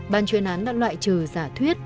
bàn chuyên án đã loại trừ giả thuyết